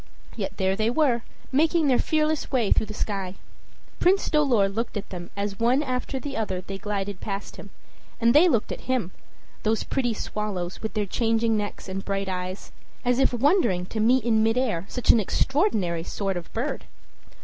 Yet there they were, making their fearless way through the sky. Prince Dolor looked at them as one after the other they glided past him; and they looked at him those pretty swallows, with their changing necks and bright eyes as if wondering to meet in mid air such an extraordinary sort of bird.